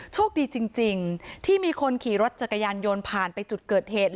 โชคดีจริงที่มีคนขี่รถจักรยานยนต์ผ่านไปจุดเกิดเหตุ